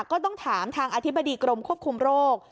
ก็ต้องถามทางอธิบดีกรมควบคุมโรค